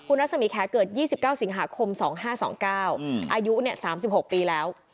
รัศมีแขเกิด๒๙สิงหาคม๒๕๒๙อายุ๓๖ปีแล้ว